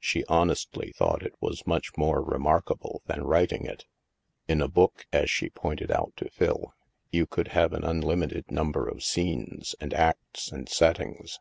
She honestly thought it was much more remarkable than writing it. In a book, as she pointed out to Phil, you could have an unlim ited number of scenes, and acts, and settings.